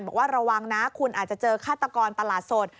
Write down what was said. บอกว่าระวังนะคุณอาจจะเจอฆาตกรตลาดสด